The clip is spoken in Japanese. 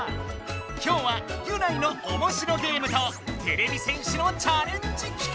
今日はギュナイのおもしろゲームとテレビ戦士のチャレンジ企画。